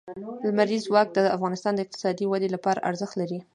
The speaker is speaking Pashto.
لمریز ځواک د افغانستان د اقتصادي ودې لپاره ارزښت لري.